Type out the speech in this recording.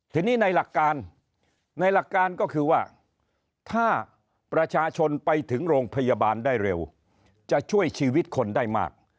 ทีนี้ในหลักการในหลักการก็คือว่าถ้าประชาชนไปถึงโรงพยาบาลได้เร็วจะช่วยชีวิตคนได้มาก